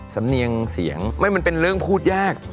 สำเนียงเสียงไม่มันเป็นเรื่องพูดยาก